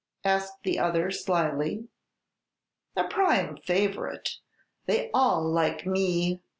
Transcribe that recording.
asked the other, slyly. "A prime favorite; they all like _me!